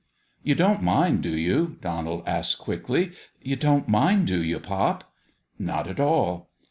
"You don't mind, do you?" Donald asked, quickly. "You don't mind, do you, pop?' " Not at all."